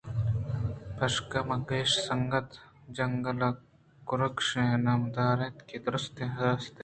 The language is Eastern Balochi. پشک ءَ مَہ کشّ سنگت جَنگل ءَ کرگُشکے نامدار ات کہ درٛستیں رستر